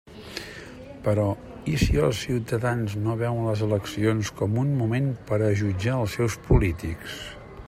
Però ¿i si els ciutadans no veuen les eleccions com un moment per a jutjar els seus polítics?